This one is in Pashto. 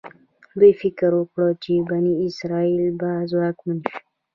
دوی فکر وکړ چې بني اسرایل به ځواکمن شي.